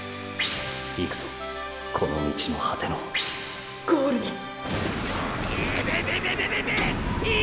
行くぞこの道の果てのゴールにピピピピヨ泉！